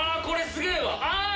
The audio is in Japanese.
これすげえわああ